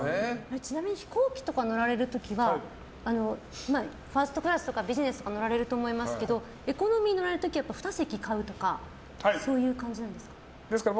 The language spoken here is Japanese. ちなみに飛行機とか乗られる時はファーストクラスとかビジネスとかに乗られると思いますけどエコノミーを乗られる時は２席買うとかそういう感じなんですか。